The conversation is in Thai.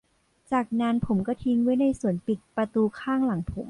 จากนั้นผมก็ทิ้งไว้ในสวนปิดประตูข้างหลังผม